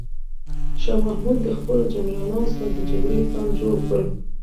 شاه محمود د خپلو جنرالانو سره د جګړې پلان جوړ کړ.